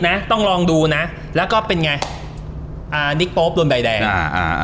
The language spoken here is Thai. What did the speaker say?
นะต้องลองดูนะแล้วก็เป็นไงอ่าบิ๊กโป๊ปโดนใบแดงอ่าอ่า